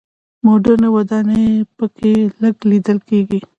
مډرنې ودانۍ په کې لږ لیدل کېږي.